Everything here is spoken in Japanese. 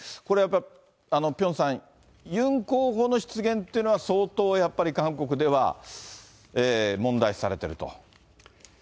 これはやっぱり、ピョンさん、ユン候補の失言っていうのは、相当やっぱり韓国では問題視されていると。